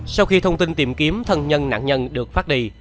sau khi thông tin tìm kiếm thân nhân nạn nhân được phát đi